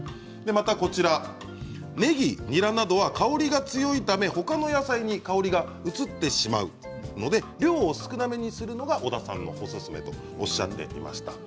また、ねぎ、にらなどは香りが強いためほかの野菜に香りが移ってしまうので量を少なめにするのが小田さん、おすすめとおっしゃっていました。